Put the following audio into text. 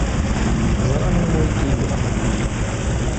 Ẓrant anwa ay k-ilan.